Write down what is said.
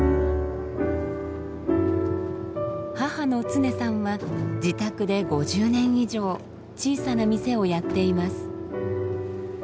母の常さんは自宅で５０年以上小さな店をやっています。